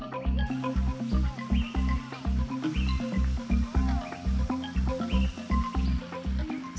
selain memiliki kontur berbukit